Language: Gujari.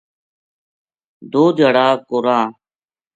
دو دھیاڑا کو راہ